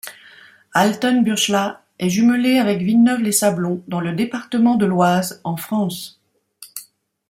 Altenburschla est jumelée avec Villeneuve-les-Sablons dans le département de l'Oise en France.